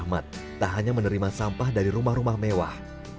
ketua ketua rahmat tak hanya menerima sampah dari rumah rumah mewah